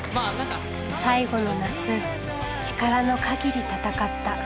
最後の夏力の限り戦った。